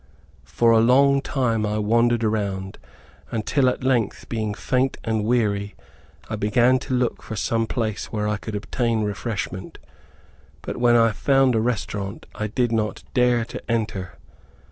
For a long time I wandered around, until at length, being faint and weary, I began to look for some place where I could obtain refreshment. But when I found a restaurant I did not dare to enter.